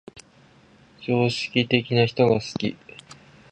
常識的な人が好き